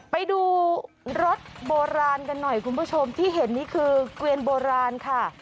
ไปดูรถโบราณกันหน่อยคุณผู้ชมที่เห็นนี่คือเกวียนโบราณค่ะ